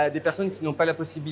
để những người không có cơ hội